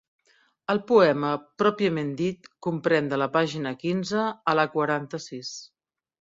El poema pròpiament dit comprèn de la pàgina quinze a la quaranta-sis.